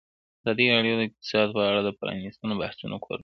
ازادي راډیو د اقتصاد په اړه د پرانیستو بحثونو کوربه وه.